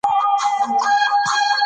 هغه کلی چې برېښنا لري وده کوي.